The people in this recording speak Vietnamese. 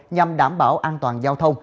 nhằm đảm bảo an toàn giao thông